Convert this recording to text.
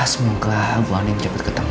semoga kelahabuan yang cepat ketemu